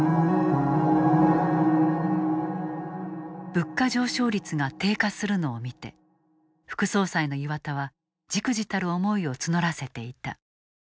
物価上昇率が低下するのを見て副総裁の岩田は忸怩たる思いを募らせていた。